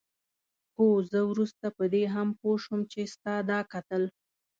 هو زه وروسته په دې هم پوه شوم چې ستا دا کتل.